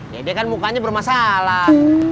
ya dia kan mukanya bermasalah